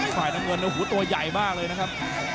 ฝ่ายน้ำเงินโอ้โหตัวใหญ่มากเลยนะครับ